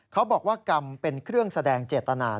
เขาบอกว่ากรรมเป็นเครื่องแสดงเจตนา